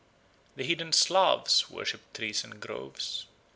The heathen Slavs worshipped trees and groves.